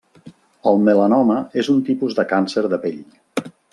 El melanoma és un tipus de càncer de pell.